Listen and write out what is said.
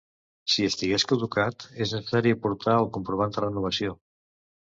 Si estigués caducat, és necessari aportar el comprovant de renovació.